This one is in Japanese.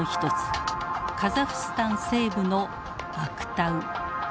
カザフスタン西部のアクタウ。